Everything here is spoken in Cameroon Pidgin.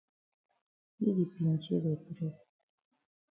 Yi di pinchay de bread.